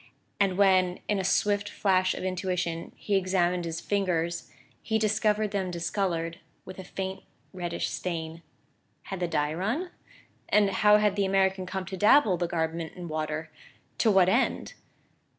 And when, in a swift flash of intuition, he examined his fingers, he discovered them discoloured with a faint reddish stain. Had the dye run? And how had the American come to dabble the garment in water to what end?